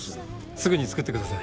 すぐに作ってください。